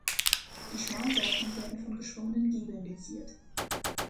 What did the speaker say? Die Schmalseiten werden von geschwungenen Giebeln geziert.